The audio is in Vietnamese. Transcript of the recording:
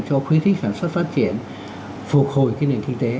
cho khuyến khích sản xuất phát triển phục hồi cái nền kinh tế